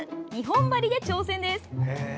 ２本針で挑戦です。